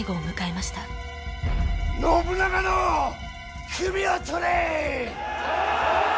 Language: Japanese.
信長の首を取れ！